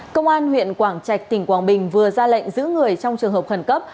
công an huyện quảng trạch tỉnh quảng bình vừa ra lệnh giữ người trong trường hợp khẩn cấp